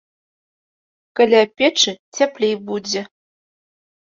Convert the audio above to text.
Каля печы цяплей будзе.